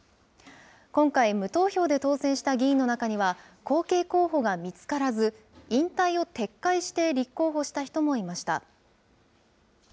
今回、無投票で当選した議員の中には、後継候補が見つからず、引退を撤回して立候補した人もいました。